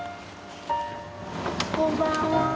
こんばんは。